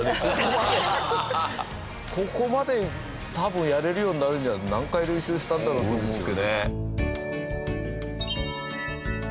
ここまで多分やれるようになるには何回練習したんだろうと思うけど。